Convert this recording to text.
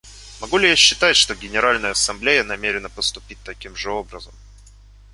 Могу ли я считать, что Генеральная Ассамблея намерена поступить таким же образом?